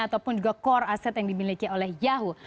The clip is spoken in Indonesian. ataupun juga core aset yang dimiliki oleh yahoo